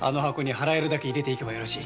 払えるだけ入れていけばよい。